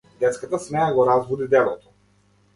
Детската смеа го разбуди дедото.